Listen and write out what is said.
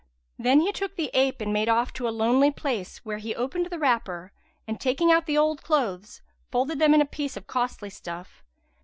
Then he took the ape and made off to a lonely place, where he opened the wrapper and, taking out the old clothes, folded them in a piece of costly stuff.